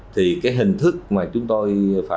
thì cái hình thức mà chúng tôi